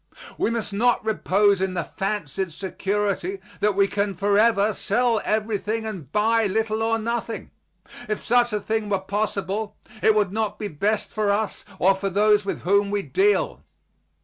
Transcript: We must not repose in the fancied security that we can forever sell everything and buy little or nothing. If such a thing were possible it would not be best for us or for those with whom we deal.